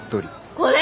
これ？